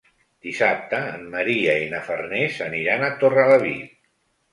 Dissabte en Maria i na Farners aniran a Torrelavit.